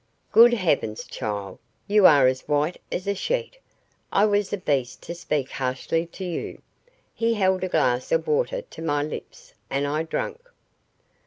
"Good heavens, child, you are as white as a sheet! I was a beast to speak harshly to you." He held a glass of water to my lips and I drank.